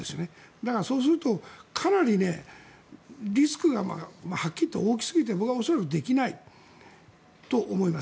だからそうするとかなりリスクがはっきりいって大きすぎて僕はできないと思います。